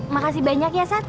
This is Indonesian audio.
makasih banyak ya sat